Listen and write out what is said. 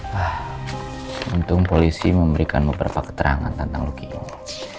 wah untung polisi memberikan beberapa keterangan tentang ruki ini